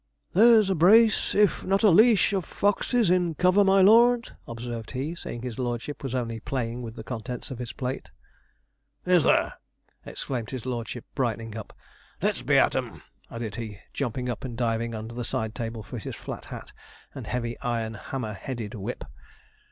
'There's a brace, if not a leash, of foxes in cover, my lord,' observed he, seeing his lordship was only playing with the contents of his plate. 'Is there?' exclaimed his lordship, brightening up: 'let's be at 'em!' added he, jumping up and diving under the side table for his flat hat and heavy iron hammer headed whip.